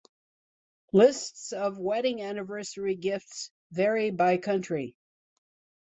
Lists of wedding anniversary gifts vary by country.